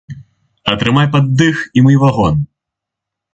Атрымай пад дых і мый вагон!